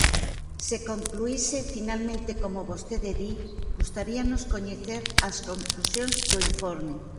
Se concluíse finalmente como vostede di, gustaríanos coñecer as conclusións do informe.